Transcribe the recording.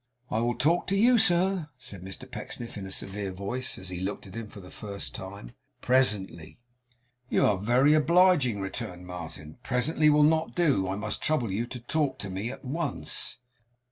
'I will talk to you, sir,' said Mr Pecksniff in a severe voice, as he looked at him for the first time, 'presently.' 'You are very obliging,' returned Martin; 'presently will not do. I must trouble you to talk to me at once.